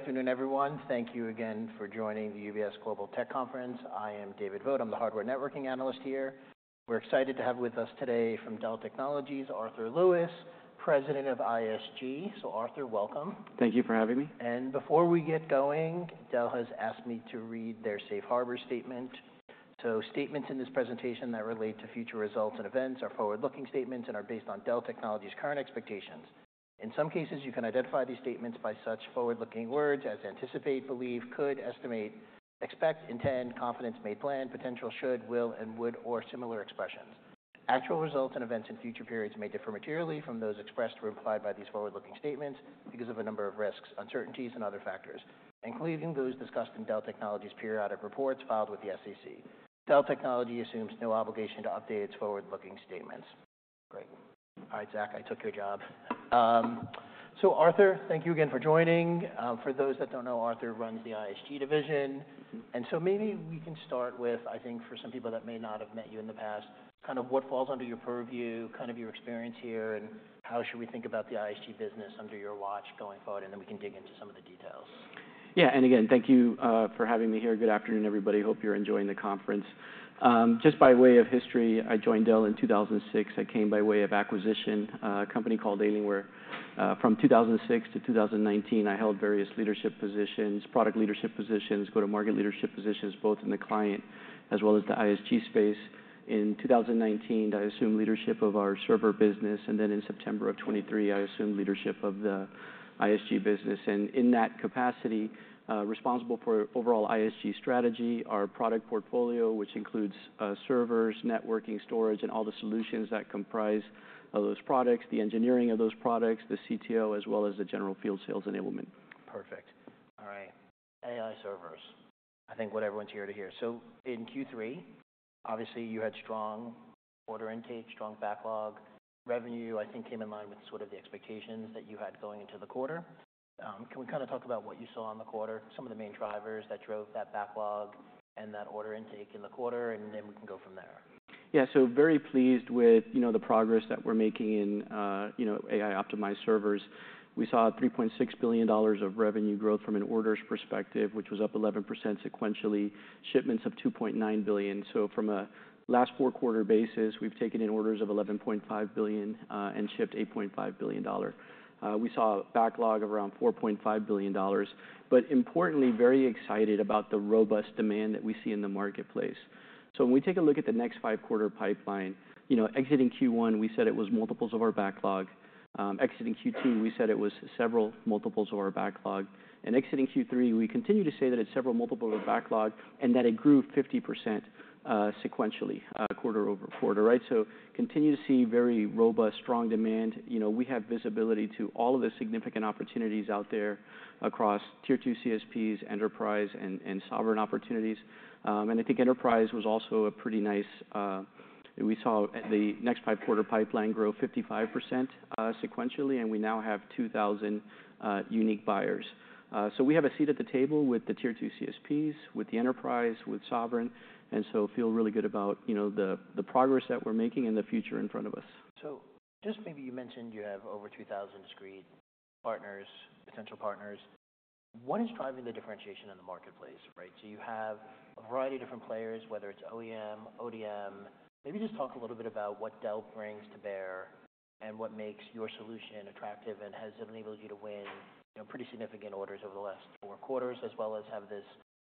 Good afternoon, everyone. Thank you again for joining the UBS Global Tech Conference. I am David Vogt. I'm the hardware networking analyst here. We're excited to have with us today from Dell Technologies, Arthur Lewis, President of ISG. So, Arthur, welcome. Thank you for having me. Before we get going, Dell has asked me to read their Safe Harbor Statement. Statements in this presentation that relate to future results and events are forward-looking statements and are based on Dell Technologies' current expectations. In some cases, you can identify these statements by such forward-looking words as anticipate, believe, could, estimate, expect, intend, confidence, made plan, potential, should, will, and would, or similar expressions. Actual results and events in future periods may differ materially from those expressed or implied by these forward-looking statements because of a number of risks, uncertainties, and other factors, including those discussed in Dell Technologies' periodic reports filed with the SEC. Dell Technologies assumes no obligation to update its forward-looking statements. Great. All right, Zack, I took your job. Arthur, thank you again for joining. For those that don't know, Arthur runs the ISG division. And so, maybe we can start with, I think, for some people that may not have met you in the past, kind of what falls under your purview, kind of your experience here, and how should we think about the ISG business under your watch going forward, and then we can dig into some of the details. Yeah. And again, thank you for having me here. Good afternoon, everybody. Hope you're enjoying the conference. Just by way of history, I joined Dell in 2006. I came by way of acquisition, a company called Alienware. From 2006 to 2019, I held various leadership positions, product leadership positions, go-to-market leadership positions, both in the client as well as the ISG space. In 2019, I assumed leadership of our server business, and then in September of 2023, I assumed leadership of the ISG business. And in that capacity, responsible for overall ISG strategy, our product portfolio, which includes servers, networking, storage, and all the solutions that comprise those products, the engineering of those products, the CTO, as well as the general field sales enablement. Perfect. All right. AI servers. I think what everyone's here to hear. So in Q3, obviously, you had strong order intake, strong backlog. Revenue, I think, came in line with sort of the expectations that you had going into the quarter. Can we kind of talk about what you saw in the quarter, some of the main drivers that drove that backlog and that order intake in the quarter, and then we can go from there? Yeah. So very pleased with the progress that we're making in AI-optimized servers. We saw $3.6 billion of revenue growth from an orders perspective, which was up 11% sequentially, shipments of $2.9 billion. So from a last four-quarter basis, we've taken in orders of $11.5 billion and shipped $8.5 billion. We saw a backlog of around $4.5 billion. But importantly, very excited about the robust demand that we see in the marketplace. So when we take a look at the next five-quarter pipeline, exiting Q1, we said it was multiples of our backlog. Exiting Q2, we said it was several multiples of our backlog. And exiting Q3, we continue to say that it's several multiples of our backlog and that it grew 50% sequentially quarter-over-quarter. Right? So continue to see very robust, strong demand. We have visibility to all of the significant opportunities out there across tier two CSPs, enterprise, and sovereign opportunities, and I think enterprise was also a pretty nice, we saw the next five-quarter pipeline grow 55% sequentially, and we now have 2,000 unique buyers, so we have a seat at the table with the tier two CSPs, with the enterprise, with sovereign, and so feel really good about the progress that we're making and the future in front of us. So just maybe you mentioned you have over 2,000 discrete partners, potential partners. What is driving the differentiation in the marketplace? Right? So you have a variety of different players, whether it's OEM, ODM. Maybe just talk a little bit about what Dell brings to bear and what makes your solution attractive and has enabled you to win pretty significant orders over the last four quarters, as well as have this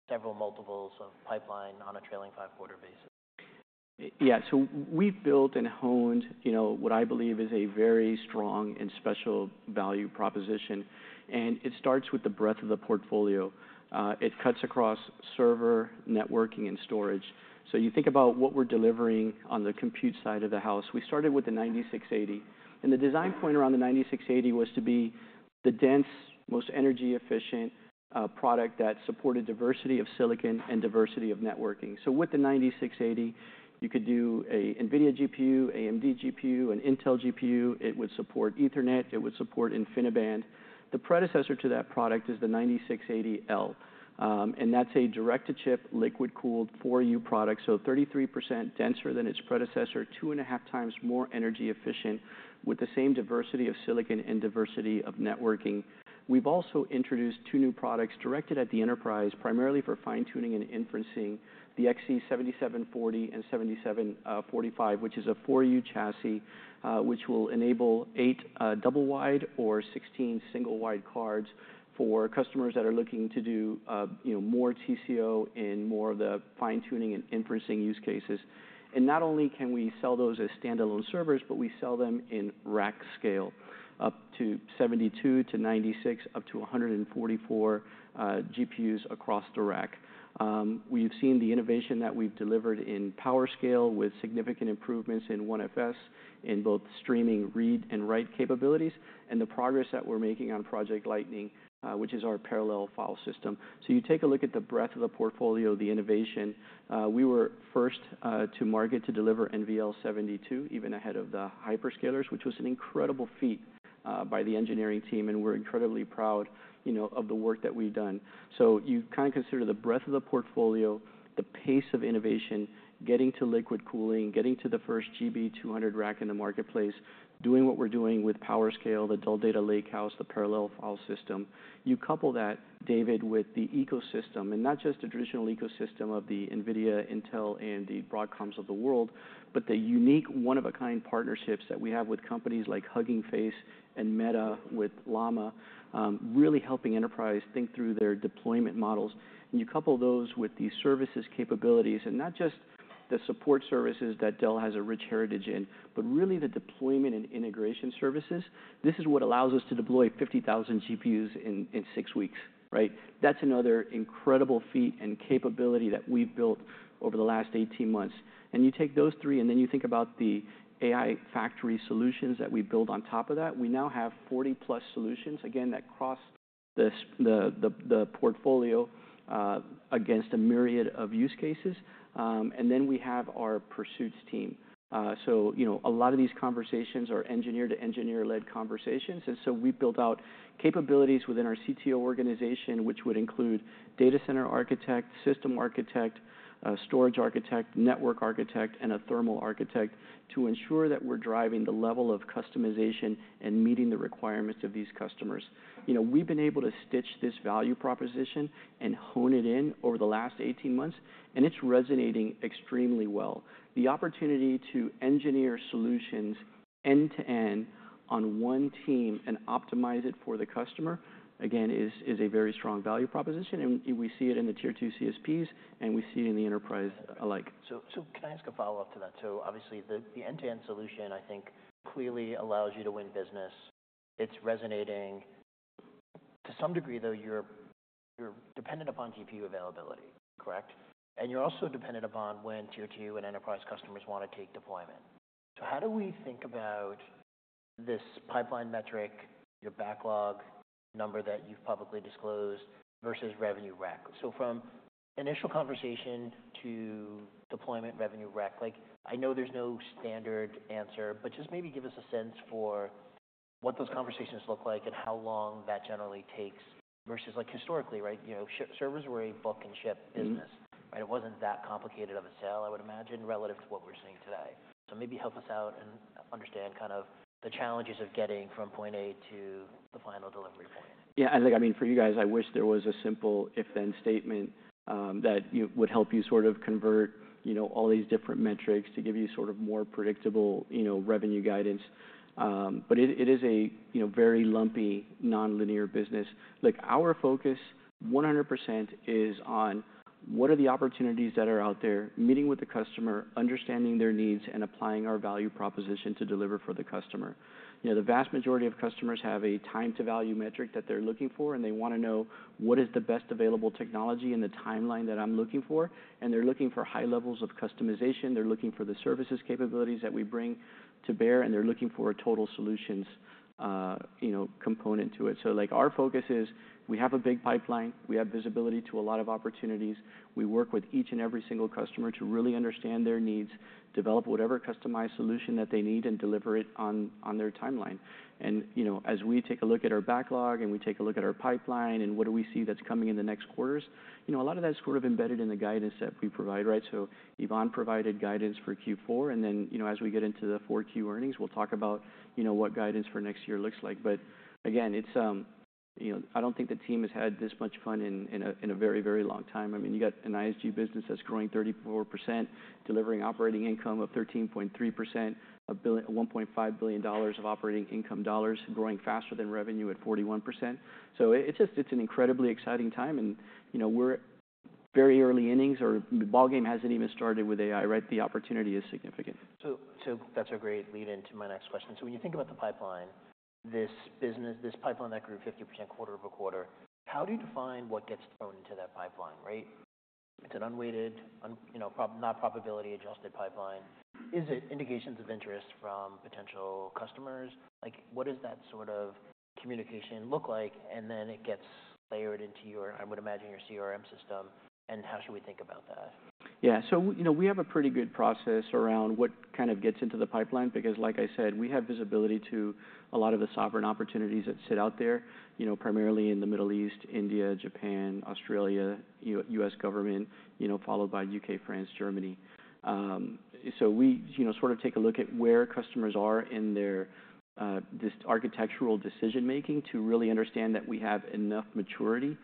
several multiples of pipeline on a trailing five-quarter basis. Yeah. So we've built and honed what I believe is a very strong and special value proposition, and it starts with the breadth of the portfolio. It cuts across server, networking, and storage. So you think about what we're delivering on the compute side of the house. We started with the 9680, and the design point around the 9680 was to be the densest, most energy-efficient product that supported diversity of silicon and diversity of networking. So with the 9680, you could do an NVIDIA GPU, AMD GPU, an Intel GPU. It would support Ethernet. It would support InfiniBand. The predecessor to that product is the 9680L, and that's a direct-to-chip liquid-cooled 4U product. So 33% denser than its predecessor, two and a half times more energy efficient with the same diversity of silicon and diversity of networking. We've also introduced two new products directed at the enterprise, primarily for fine-tuning and inferencing, the XE7740 and XE7745, which is a 4U chassis, which will enable eight double-wide or 16 single-wide cards for customers that are looking to do more TCO in more of the fine-tuning and inferencing use cases. And not only can we sell those as standalone servers, but we sell them in rack scale up to 72 to 96, up to 144 GPUs across the rack. We've seen the innovation that we've delivered in PowerScale with significant improvements in OneFS in both streaming, read, and write capabilities, and the progress that we're making on Project Lightning, which is our parallel file system. So you take a look at the breadth of the portfolio, the innovation. We were first to market to deliver NVL72, even ahead of the hyperscalers, which was an incredible feat by the engineering team, and we're incredibly proud of the work that we've done. You kind of consider the breadth of the portfolio, the pace of innovation, getting to liquid cooling, getting to the first GB200 rack in the marketplace, doing what we're doing with PowerScale, the Dell Data Lakehouse, the parallel file system. You couple that, David, with the ecosystem, and not just the traditional ecosystem of the NVIDIA, Intel, and the Broadcoms of the world, but the unique one-of-a-kind partnerships that we have with companies like Hugging Face and Meta, with Llama, really helping enterprise think through their deployment models. And you couple those with these services capabilities, and not just the support services that Dell has a rich heritage in, but really the deployment and integration services. This is what allows us to deploy 50,000 GPUs in six weeks. Right? That's another incredible feat and capability that we've built over the last 18 months. And you take those three, and then you think about the AI factory solutions that we build on top of that. We now have 40-plus solutions, again, that cross the portfolio against a myriad of use cases. And then we have our pursuits team. So a lot of these conversations are engineer-to-engineer-led conversations. And so we've built out capabilities within our CTO organization, which would include data center architect, system architect, storage architect, network architect, and a thermal architect to ensure that we're driving the level of customization and meeting the requirements of these customers. We've been able to stitch this value proposition and hone it in over the last 18 months, and it's resonating extremely well. The opportunity to engineer solutions end-to-end on one team and optimize it for the customer, again, is a very strong value proposition, and we see it in the tier two CSPs, and we see it in the enterprise alike. So can I ask a follow-up to that? So obviously, the end-to-end solution, I think, clearly allows you to win business. It's resonating. To some degree, though, you're dependent upon GPU availability. Correct? And you're also dependent upon when tier two and enterprise customers want to take deployment. So how do we think about this pipeline metric, your backlog number that you've publicly disclosed versus revenue rack? So from initial conversation to deployment revenue rack, I know there's no standard answer, but just maybe give us a sense for what those conversations look like and how long that generally takes versus historically, right? Servers were a book and ship business. Right? It wasn't that complicated of a sale, I would imagine, relative to what we're seeing today. So maybe help us out and understand kind of the challenges of getting from point A to the final delivery point. Yeah. I mean, for you guys, I wish there was a simple if-then statement that would help you sort of convert all these different metrics to give you sort of more predictable revenue guidance. But it is a very lumpy, non-linear business. Our focus 100% is on what are the opportunities that are out there, meeting with the customer, understanding their needs, and applying our value proposition to deliver for the customer. The vast majority of customers have a time-to-value metric that they're looking for, and they want to know what is the best available technology and the timeline that I'm looking for, and they're looking for high levels of customization. They're looking for the services capabilities that we bring to bear, and they're looking for a total solutions component to it, so our focus is we have a big pipeline. We have visibility to a lot of opportunities. We work with each and every single customer to really understand their needs, develop whatever customized solution that they need, and deliver it on their timeline, and as we take a look at our backlog, and we take a look at our pipeline, and what do we see that's coming in the next quarters, a lot of that's sort of embedded in the guidance that we provide. Right? So, Yvonne provided guidance for Q4, and then as we get into the Q4 earnings, we'll talk about what guidance for next year looks like, but again, I don't think the team has had this much fun in a very, very long time. I mean, you got an ISG business that's growing 34%, delivering operating income of 13.3%, $1.5 billion of operating income dollars, growing faster than revenue at 41%, so it's an incredibly exciting time, and we're very early innings. Our ballgame hasn't even started with AI. Right? The opportunity is significant. So that's a great lead-in to my next question. So when you think about the pipeline, this pipeline that grew 50% quarter-over-quarter, how do you define what gets thrown into that pipeline? Right? It's an unweighted, not probability-adjusted pipeline. Is it indications of interest from potential customers? What does that sort of communication look like? And then it gets layered into your, I would imagine, your CRM system. And how should we think about that? Yeah. So we have a pretty good process around what kind of gets into the pipeline because, like I said, we have visibility to a lot of the sovereign opportunities that sit out there, primarily in the Middle East, India, Japan, Australia, U.S. government, followed by U.K., France, Germany. So we sort of take a look at where customers are in this architectural decision-making to really understand that we have enough maturity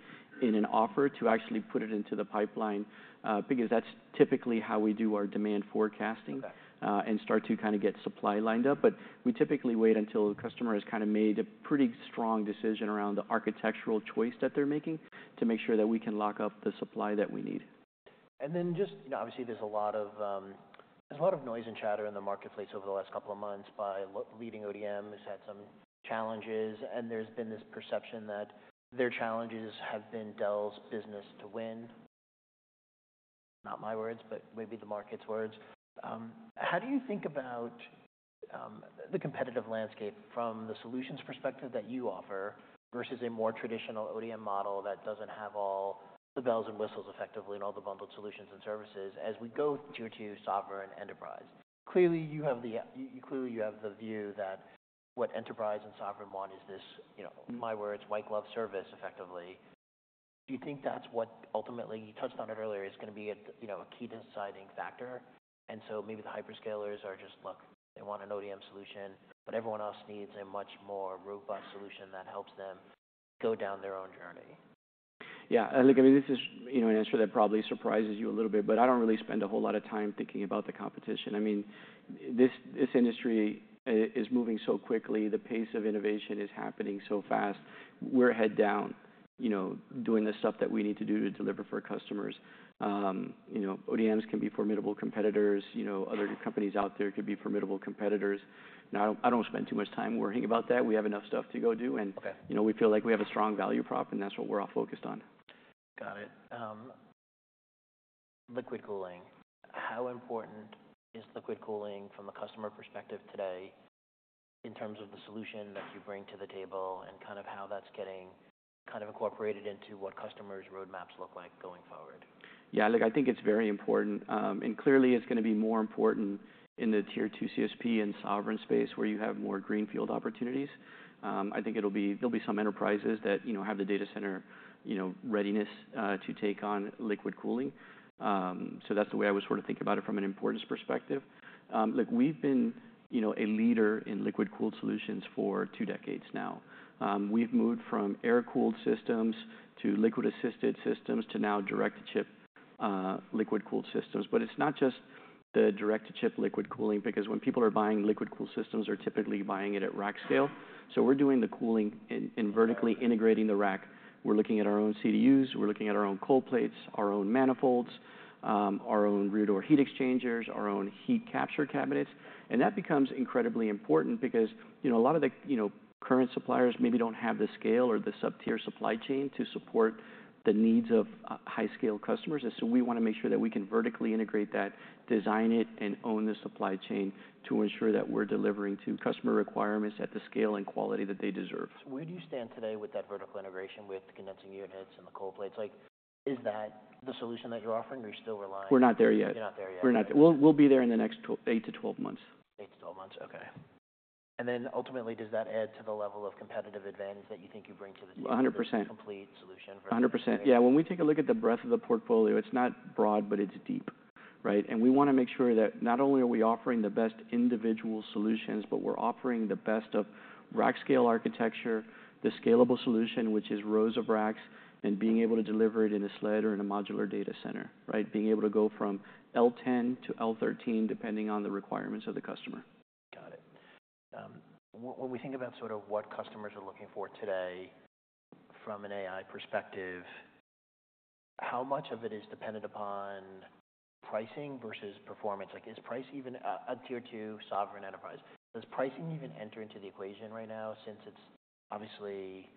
in an offer to actually put it into the pipeline because that's typically how we do our demand forecasting and start to kind of get supply lined up. But we typically wait until the customer has kind of made a pretty strong decision around the architectural choice that they're making to make sure that we can lock up the supply that we need. And then, just obviously, there's a lot of noise and chatter in the marketplace over the last couple of months. Leading ODMs had some challenges. There's been this perception that their challenges have been Dell's business to win. Not my words, but maybe the market's words. How do you think about the competitive landscape from the solutions perspective that you offer versus a more traditional ODM model that doesn't have all the bells and whistles effectively and all the bundled solutions and services as we go tier two sovereign enterprise? Clearly, you have the view that what enterprise and sovereign want is this, in my words, white-glove service effectively. Do you think that's what ultimately you touched on it earlier is going to be a key deciding factor? And so maybe the hyperscalers are just, "Look, they want an ODM solution, but everyone else needs a much more robust solution that helps them go down their own journey. Yeah. I mean, this is an answer that probably surprises you a little bit, but I don't really spend a whole lot of time thinking about the competition. I mean, this industry is moving so quickly. The pace of innovation is happening so fast. We're head down doing the stuff that we need to do to deliver for customers. ODMs can be formidable competitors. Other companies out there could be formidable competitors. I don't spend too much time worrying about that. We have enough stuff to go do. And we feel like we have a strong value prop, and that's what we're all focused on. Got it. Liquid cooling. How important is liquid cooling from a customer perspective today in terms of the solution that you bring to the table and kind of how that's getting kind of incorporated into what customers' roadmaps look like going forward? Yeah. Look, I think it's very important. And clearly, it's going to be more important in the tier two CSP and sovereign space where you have more greenfield opportunities. I think there'll be some enterprises that have the data center readiness to take on liquid cooling. So that's the way I would sort of think about it from an importance perspective. Look, we've been a leader in liquid-cooled solutions for two decades now. We've moved from air-cooled systems to liquid-assisted systems to now direct-to-chip liquid-cooled systems. But it's not just the direct-to-chip liquid cooling because when people are buying liquid-cooled systems, they're typically buying it at rack scale. So we're doing the cooling and vertically integrating the rack. We're looking at our own CDUs. We're looking at our own cold plates, our own manifolds, our own rear-door heat exchangers, our own heat capture cabinets. And that becomes incredibly important because a lot of the current suppliers maybe don't have the scale or the sub-tier supply chain to support the needs of high-scale customers. And so we want to make sure that we can vertically integrate that, design it, and own the supply chain to ensure that we're delivering to customer requirements at the scale and quality that they deserve. So where do you stand today with that vertical integration with the condensing units and the cold plates? Is that the solution that you're offering, or are you still relying? We're not there yet. You're not there yet. We'll be there in the next eight to 12 months. Eight to 12 months. Okay. And then ultimately, does that add to the level of competitive advantage that you think you bring to the table? 100%. Complete solution for. 100%. Yeah. When we take a look at the breadth of the portfolio, it's not broad, but it's deep. Right? And we want to make sure that not only are we offering the best individual solutions, but we're offering the best of rack scale architecture, the scalable solution, which is rows of racks, and being able to deliver it in a sled or in a modular data center. Right? Being able to go from L10 to L13 depending on the requirements of the customer. Got it. When we think about sort of what customers are looking for today from an AI perspective, how much of it is dependent upon pricing versus performance? Is price even a tier two sovereign enterprise? Does pricing even enter into the equation right now since it's obviously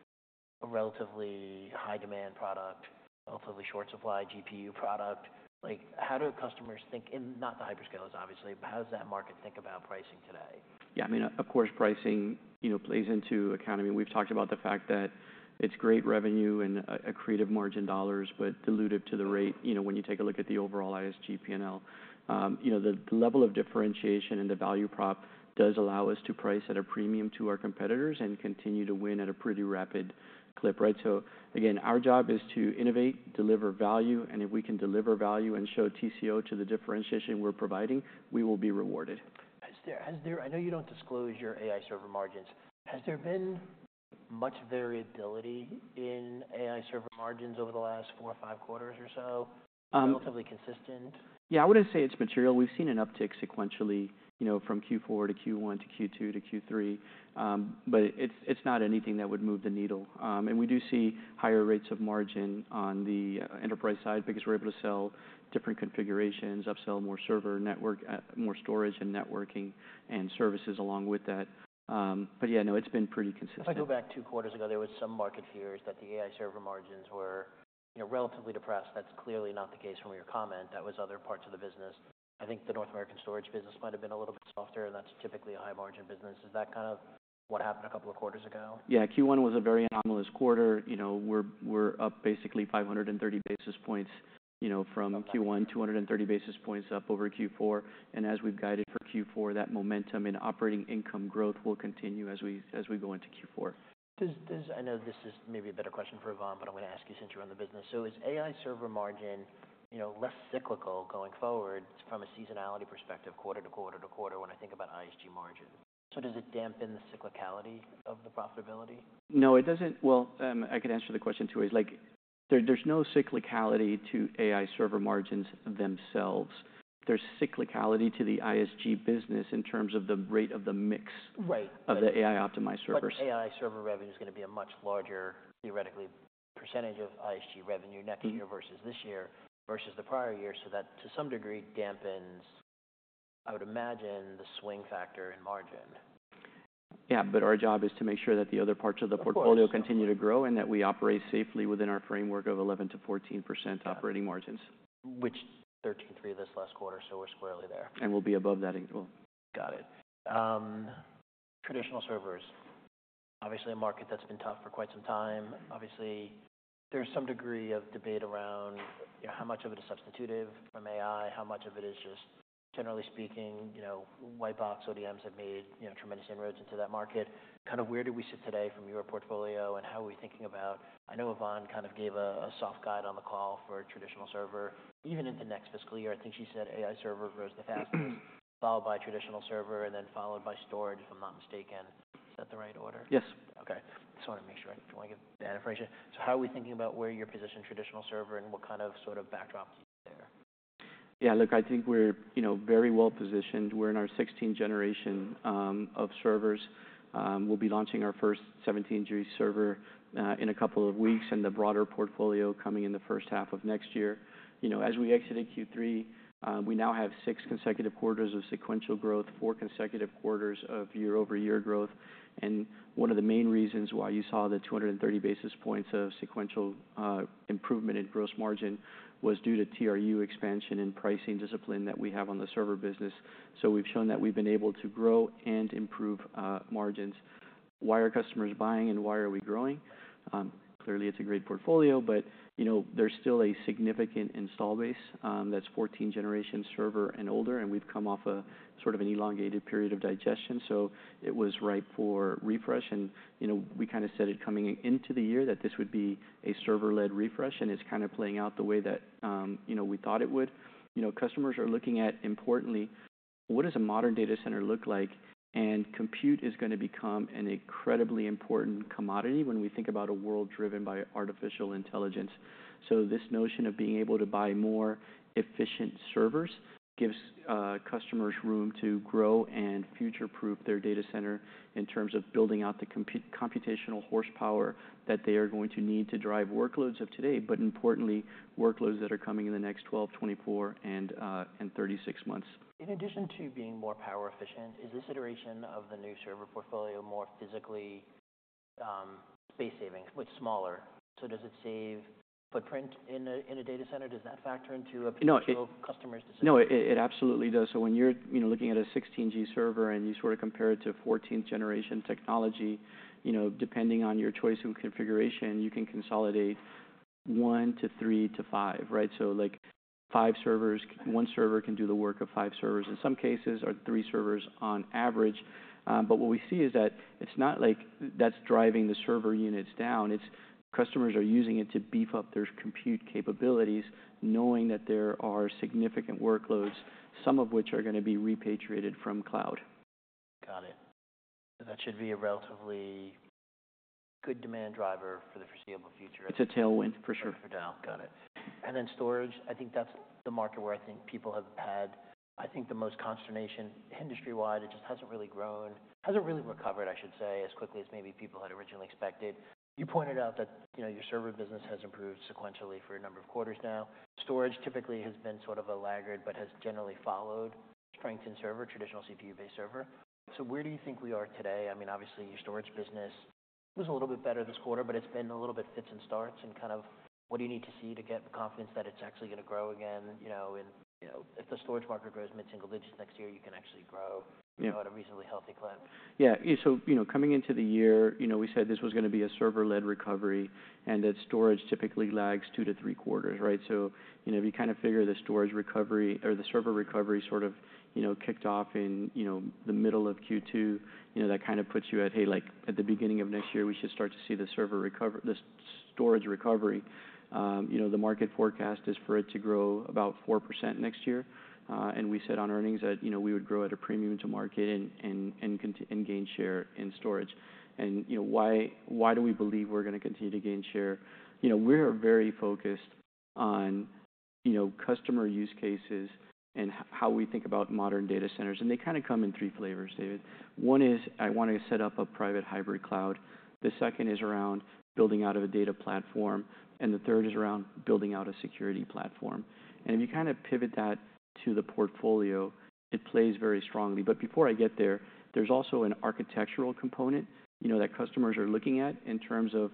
a relatively high-demand product, relatively short-supplied GPU product? How do customers think, and not the hyperscalers, obviously, but how does that market think about pricing today? Yeah. I mean, of course, pricing plays into account. I mean, we've talked about the fact that it's great revenue and incremental margin dollars, but dilutive at the rate when you take a look at the overall ISG P&L. The level of differentiation and the value prop does allow us to price at a premium to our competitors and continue to win at a pretty rapid clip. Right? So again, our job is to innovate, deliver value. And if we can deliver value and show TCO to the differentiation we're providing, we will be rewarded. I know you don't disclose your AI server margins. Has there been much variability in AI server margins over the last four or five quarters or so? Relatively consistent? Yeah. I wouldn't say it's material. We've seen an uptick sequentially from Q4 to Q1 to Q2 to Q3, but it's not anything that would move the needle, and we do see higher rates of margin on the enterprise side because we're able to sell different configurations, upsell more servers, networking, more storage, and services along with that, but yeah, no, it's been pretty consistent. If I go back two quarters ago, there were some market fears that the AI server margins were relatively depressed. That's clearly not the case from your comment. That was other parts of the business. I think the North American storage business might have been a little bit softer, and that's typically a high-margin business. Is that kind of what happened a couple of quarters ago? Yeah. Q1 was a very anomalous quarter. We're up basically 530 basis points from Q1, 230 basis points up over Q4. And as we've guided for Q4, that momentum in operating income growth will continue as we go into Q4. I know this is maybe a better question for Yvonne, but I'm going to ask you since you're in the business. So is AI server margin less cyclical going forward from a seasonality perspective, quarter to quarter to quarter when I think about ISG margin? So does it dampen the cyclicality of the profitability? No. I could answer the question two ways. There's no cyclicality to AI server margins themselves. There's cyclicality to the ISG business in terms of the rate of the mix of the AI-optimized servers. But AI server revenue is going to be a much larger, theoretically, percentage of ISG revenue next year versus this year versus the prior year. So that to some degree dampens, I would imagine, the swing factor in margin. Yeah. But our job is to make sure that the other parts of the portfolio continue to grow and that we operate safely within our framework of 11%-14% operating margins. Which Q3 of this last quarter, so we're squarely there. We'll be above that. Got it. Traditional servers. Obviously, a market that's been tough for quite some time. Obviously, there's some degree of debate around how much of it is substitutive from AI, how much of it is just, generally speaking, white-box ODMs have made tremendous inroads into that market. Kind of where do we sit today from your portfolio and how are we thinking about? I know Yvonne kind of gave a soft guide on the call for traditional server. Even into next fiscal year, I think she said AI server grows the fastest, followed by traditional server, and then followed by storage if I'm not mistaken. Is that the right order? Yes. Okay. Just wanted to make sure. I don't want to get bad information. So how are we thinking about where you're positioned traditional server and what kind of sort of backdrop do you have there? Yeah. Look, I think we're very well positioned. We're in our 16th generation of servers. We'll be launching our first 17G server in a couple of weeks and the broader portfolio coming in the first half of next year. As we exited Q3, we now have six consecutive quarters of sequential growth, four consecutive quarters of year-over-year growth. And one of the main reasons why you saw the 230 basis points of sequential improvement in gross margin was due to TRU expansion and pricing discipline that we have on the server business. So we've shown that we've been able to grow and improve margins. Why are customers buying and why are we growing? Clearly, it's a great portfolio, but there's still a significant install base that's 14th generation servers and older. And we've come off of sort of an elongated period of digestion. So it was ripe for refresh. And we kind of said it coming into the year that this would be a server-led refresh, and it's kind of playing out the way that we thought it would. Customers are looking at, importantly, what does a modern data center look like? And compute is going to become an incredibly important commodity when we think about a world driven by artificial intelligence. So this notion of being able to buy more efficient servers gives customers room to grow and future-proof their data center in terms of building out the computational horsepower that they are going to need to drive workloads of today, but importantly, workloads that are coming in the next 12, 24, and 36 months. In addition to being more power efficient, is this iteration of the new server portfolio more physically space-saving, but smaller? So does it save footprint in a data center? Does that factor into a potential customer's decision? No. It absolutely does, so when you're looking at a 16G server and you sort of compare it to 14th generation technology, depending on your choice of configuration, you can consolidate one to three to five, right? So five servers, one server can do the work of five servers in some cases, or three servers on average. But what we see is that it's not like that's driving the server units down. It's customers are using it to beef up their compute capabilities, knowing that there are significant workloads, some of which are going to be repatriated from cloud. Got it. That should be a relatively good demand driver for the foreseeable future. It's a tailwind for sure. For Dell. Got it. And then storage, I think that's the market where I think people have had, I think, the most consternation industry-wide. It just hasn't really grown, hasn't really recovered, I should say, as quickly as maybe people had originally expected. You pointed out that your server business has improved sequentially for a number of quarters now. Storage typically has been sort of a laggard but has generally followed strength in server, traditional CPU-based server. So where do you think we are today? I mean, obviously, your storage business was a little bit better this quarter, but it's been a little bit fits and starts in kind of what do you need to see to get the confidence that it's actually going to grow again? If the storage market grows mid-single digits next year, you can actually grow at a reasonably healthy clip. Yeah. So coming into the year, we said this was going to be a server-led recovery, and that storage typically lags two to three quarters. Right? So if you kind of figure the storage recovery or the server recovery sort of kicked off in the middle of Q2, that kind of puts you at, hey, at the beginning of next year, we should start to see the storage recovery. The market forecast is for it to grow about 4% next year. And we said on earnings that we would grow at a premium to market and gain share in storage. And why do we believe we're going to continue to gain share? We're very focused on customer use cases and how we think about modern data centers. And they kind of come in three flavors, David. One is I want to set up a private hybrid cloud. The second is around building out a data platform, and the third is around building out a security platform. If you kind of pivot that to the portfolio, it plays very strongly, but before I get there, there's also an architectural component that customers are looking at in terms of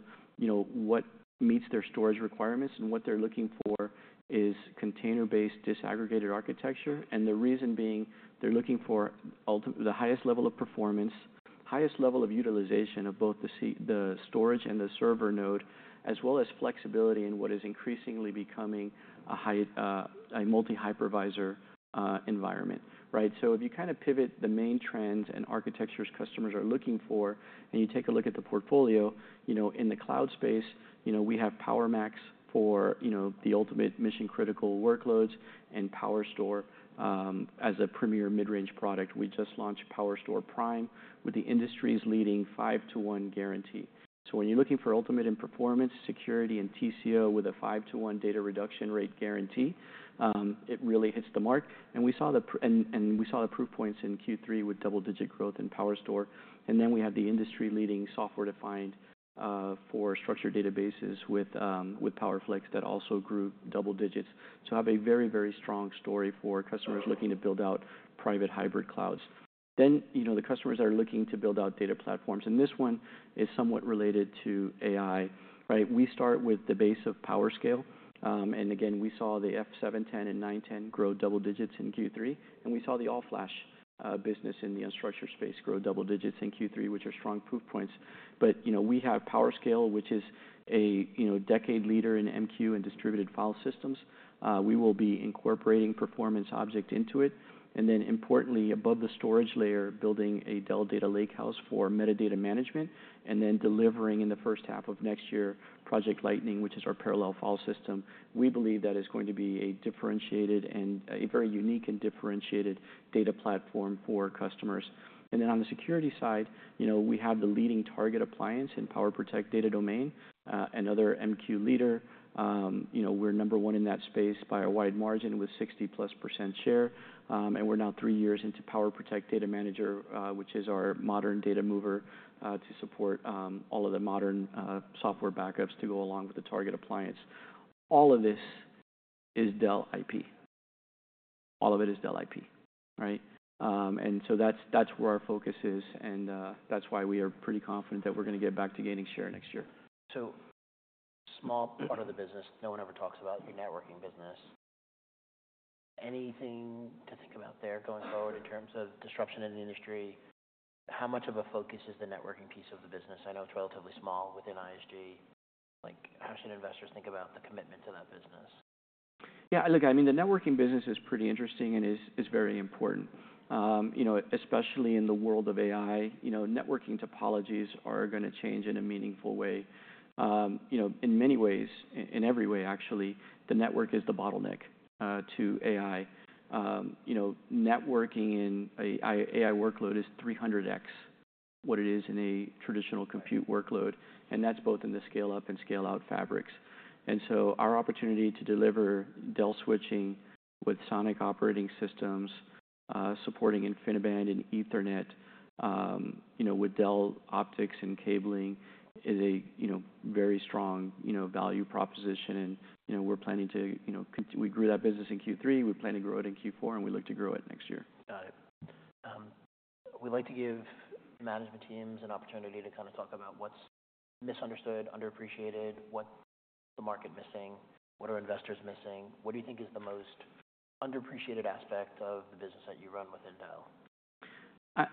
what meets their storage requirements, and what they're looking for is container-based disaggregated architecture, and the reason being, they're looking for the highest level of performance, highest level of utilization of both the storage and the server node, as well as flexibility in what is increasingly becoming a multi-hypervisor environment, right? So if you kind of pivot the main trends and architectures customers are looking for, and you take a look at the portfolio, in the cloud space, we have PowerMax for the ultimate mission-critical workloads and PowerStore as a premier mid-range product. We just launched PowerStore Prime with the industry's leading five-to-one guarantee. So when you're looking for ultimate in performance, security, and TCO with a five-to-one data reduction rate guarantee, it really hits the mark. And we saw the proof points in Q3 with double-digit growth in PowerStore. And then we had the industry-leading software-defined for structured databases with PowerFlex that also grew double digits. So have a very, very strong story for customers looking to build out private hybrid clouds. Then the customers are looking to build out data platforms. And this one is somewhat related to AI. Right? We start with the base of PowerScale. And again, we saw the F710 and F910 grow double digits in Q3. And we saw the all-flash business in the unstructured space grow double digits in Q3, which are strong proof points. But we have PowerScale, which is a decade leader in MQ and distributed file systems. We will be incorporating performance object into it. And then importantly, above the storage layer, building a Dell Data Lakehouse for metadata management and then delivering in the first half of next year Project Lightning, which is our parallel file system. We believe that is going to be a differentiated and a very unique and differentiated data platform for customers. And then on the security side, we have the leading target appliance in PowerProtect Data Domain and other MQ leader. We're number one in that space by a wide margin with 60+% share. And we're now three years into PowerProtect Data Manager, which is our modern data mover to support all of the modern software backups to go along with the target appliance. All of this is Dell IP. All of it is Dell IP. Right? And so that's where our focus is. And that's why we are pretty confident that we're going to get back to gaining share next year. So, small part of the business. No one ever talks about your networking business. Anything to think about there going forward in terms of disruption in the industry? How much of a focus is the networking piece of the business? I know it's relatively small within ISG. How should investors think about the commitment to that business? Yeah. Look, I mean, the networking business is pretty interesting and is very important, especially in the world of AI. Networking topologies are going to change in a meaningful way. In many ways, in every way, actually, the network is the bottleneck to AI. Networking in an AI workload is 300x what it is in a traditional compute workload. That's both in the scale-up and scale-out fabrics. So our opportunity to deliver Dell switching with SONiC operating systems, supporting InfiniBand and Ethernet with Dell optics and cabling is a very strong value proposition. We grew that business in Q3. We plan to grow it in Q4, and we look to grow it next year. Got it. We'd like to give management teams an opportunity to kind of talk about what's misunderstood, underappreciated, what's the market missing, what are investors missing. What do you think is the most underappreciated aspect of the business that you run within Dell?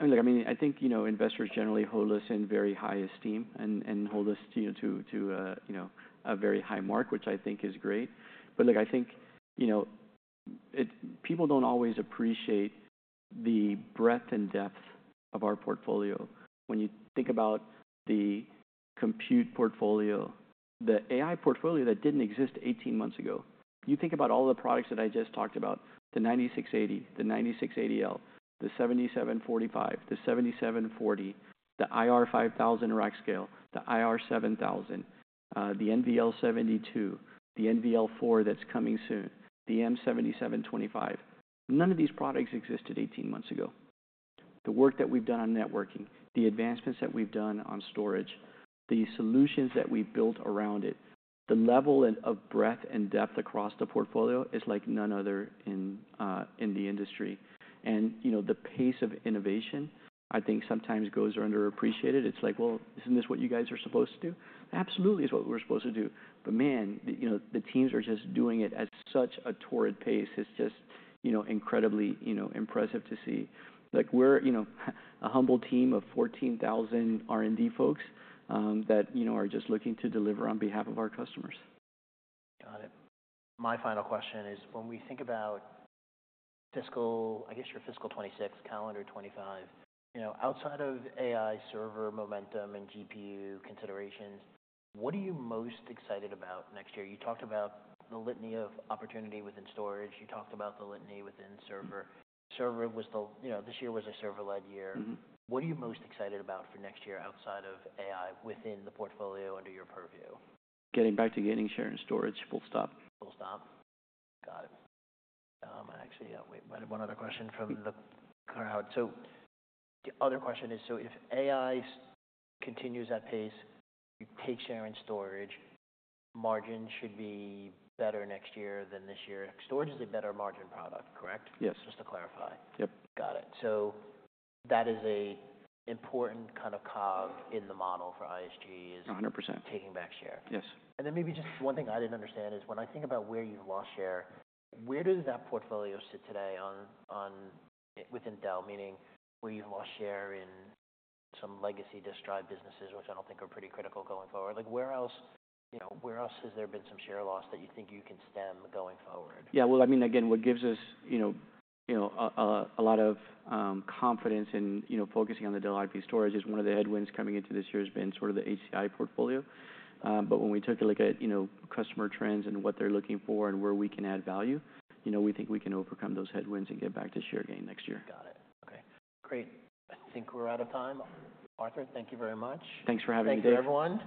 Look, I mean, I think investors generally hold us in very high esteem and hold us to a very high mark, which I think is great, but look, I think people don't always appreciate the breadth and depth of our portfolio. When you think about the compute portfolio, the AI portfolio that didn't exist 18 months ago, you think about all the products that I just talked about, the 9680, the 9680L, the 7745, the 7740, the IR5000 rack scale, the IR7000, the NVL72, the NVL4 that's coming soon, the XE7725. None of these products existed 18 months ago. The work that we've done on networking, the advancements that we've done on storage, the solutions that we've built around it, the level of breadth and depth across the portfolio is like none other in the industry, and the pace of innovation, I think sometimes goes underappreciated. It's like, "Well, isn't this what you guys are supposed to do?" Absolutely is what we're supposed to do, but man, the teams are just doing it at such a torrid pace. It's just incredibly impressive to see. Look, we're a humble team of 14,000 R&D folks that are just looking to deliver on behalf of our customers. Got it. My final question is, when we think about fiscal, I guess your fiscal 2026, calendar 2025, outside of AI server momentum and GPU considerations, what are you most excited about next year? You talked about the litany of opportunity within storage. You talked about the litany within server. Server was the this year was a server-led year. What are you most excited about for next year outside of AI within the portfolio under your purview? Getting back to gaining share in storage. Full stop. Full stop. Got it. Actually, I have one other question from the crowd. So the other question is, so if AI continues at pace, you take share in storage, margin should be better next year than this year. Storage is a better margin product. Correct? Yes. Just to clarify. Yep. Got it. So that is an important kind of cog in the model for ISG is. 100%. Taking back share. Yes. And then maybe just one thing I didn't understand is when I think about where you've lost share, where does that portfolio sit today within Dell? Meaning where you've lost share in some legacy disk drive businesses, which I don't think are pretty critical going forward. Where else has there been some share loss that you think you can stem going forward? Yeah. Well, I mean, again, what gives us a lot of confidence in focusing on the Dell IP storage is one of the headwinds coming into this year has been sort of the HCI portfolio. But when we take a look at customer trends and what they're looking for and where we can add value, we think we can overcome those headwinds and get back to share gain next year. Got it. Okay. Great. I think we're out of time. Arthur, thank you very much. Thanks for having me, Dave. Thanks to everyone.